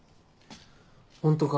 ホントか？